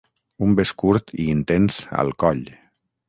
Un bes curt i intens al coll.